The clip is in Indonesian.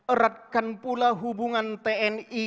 eratkan pula hubungan tni